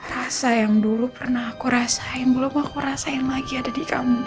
rasa yang dulu pernah aku rasain belum aku rasain lagi ada di kamu nih